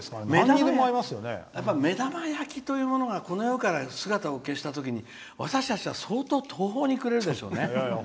やっぱり目玉焼きというものがこの世から姿を消したときに私たちは相当、途方に暮れるでしょうね。